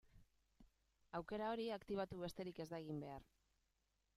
Aukera hori aktibatu besterik ez da egin behar.